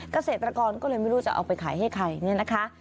เกษตรกรก็เลยไม่รู้จะเอาไปขายให้ใครเนี่ยนะคะ